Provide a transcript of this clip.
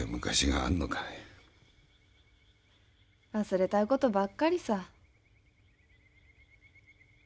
忘れたい事ばっかりさ。